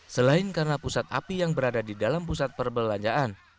selain karena pusat api yang berada di dalam pusat perbelanjaan